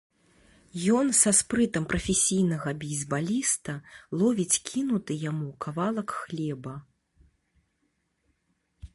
Ён са спрытам прафесійнага бейсбаліста ловіць кінуты яму кавалак хлеба.